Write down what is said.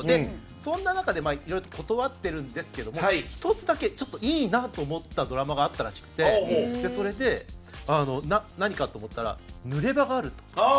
そんな中で、いろいろと断ってるんですけども１つだけ、いいなと思ったドラマがあったらしくてそれで、何かと思ったら濡れ場があると。